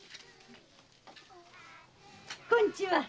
こんちは！